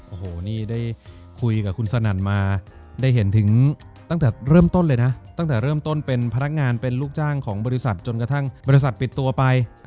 โอ้โหนี่ได้คุยกับคุณสนั่นมาได้เห็นถึงตั้งแต่เริ่มต้นเลยนะตั้งแต่เริ่มต้นเป็นพนักงานเป็นลูกจ้างของบริษัทจนกระทั่งบริษัทปิดตัวไป